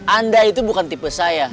anda itu bukan tipe saya